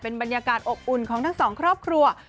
บรรยากาศอบอุ่นของทั้งสองครอบครัว